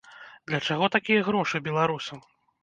Для чаго такія грошы беларусам?